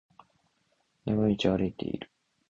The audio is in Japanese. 山道を歩いている。